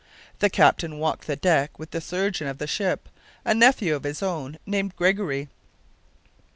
The captain walked the deck with the surgeon of the ship, a nephew of his own, named Gregory.